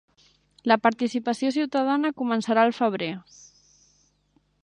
La participació ciutadana començarà al febrer